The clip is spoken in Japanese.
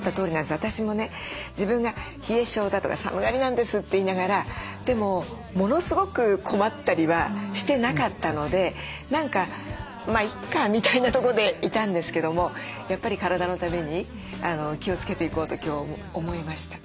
私もね自分が冷え性だとか寒がりなんですって言いながらでもものすごく困ったりはしてなかったので何か「まあいっか」みたいなとこでいたんですけどもやっぱり体のために気をつけていこうと今日思いました。